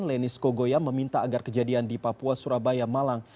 lenis kogoya meminta agar kejadian di papua surabaya malang